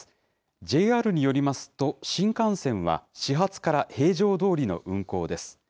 ＪＲによりますと、新幹線は始発から平常どおりの運行です。